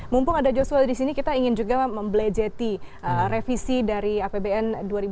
mumpung ada joshua di sini kita ingin juga membelejeti revisi dari apbn dua ribu dua puluh